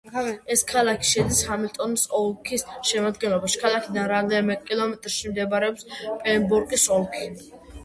ეს ქალაქი შედის ჰამილტონის ოლქის შემადგენლობაში, ქალაქიდან რამდენიმე კილომეტრში მდებარეობს პემბროკის ოლქი.